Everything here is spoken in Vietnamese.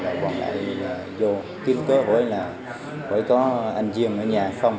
và vòng lại vô kiếm cơ hội là phải có anh duyên ở nhà không